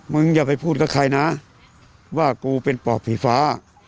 อย่าไปพูดกับใครนะว่ากูเป็นปอบสีฟ้า